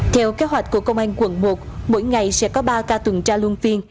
theo kế hoạch của công an quận một mỗi ngày sẽ có ba ca tuần tra luôn phiên